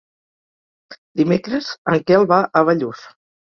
Dimecres en Quel va a Bellús.